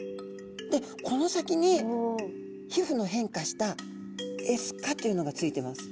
でこの先に皮膚の変化したエスカというのが付いてます。